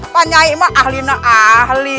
pastinya ayah mah ahli ahli